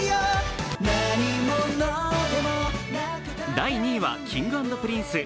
第２位はＫｉｎｇ＆Ｐｒｉｎｃｅ。